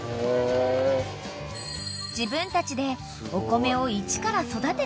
［自分たちで］